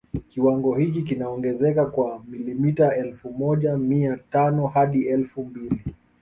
Kiwango hiki kinaongezeka kwa milimita elfu moja mia tano hadi elfu mbili